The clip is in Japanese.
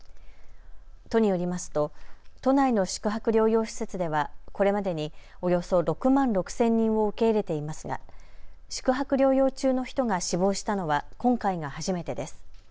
都によりますと都内の宿泊療養施設ではこれまでにおよそ６万６０００人を受け入れていますが宿泊療養中の人が死亡したのは今回が初めてです。